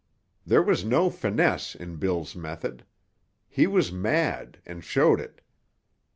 There was no finesse in Bill's method; he was mad and showed it.